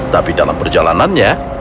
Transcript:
tapi dalam perjalanannya